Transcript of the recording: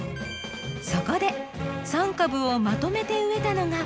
そこで３株をまとめて植えたのがこちら。